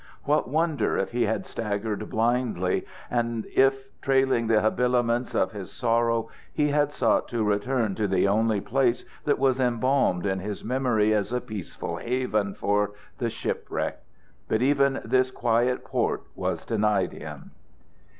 What wonder if he had staggered blindly, and if, trailing the habiliments of his sorrow, he had sought to return to the only place that was embalmed in his memory as a peaceful haven for the shipwrecked? But even this quiet port was denied him.